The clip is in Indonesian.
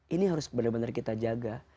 ini harus benar benar kita jaga